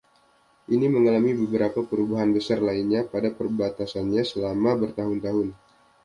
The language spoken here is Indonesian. Ini mengalami beberapa perubahan besar lainnya pada perbatasannya selama bertahun-tahun.